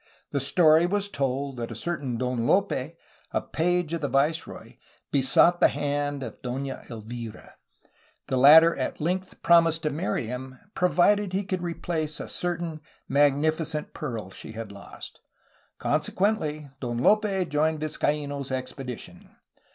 The story was told that a certain Don Lope, a page of the viceroy, besought the hand of a Dona Elvira. The latter at length promised to marry him, provided he could replace a certain magnificent pearl she had lost. Con sequently Don Lope joined Vizcaino's expedition.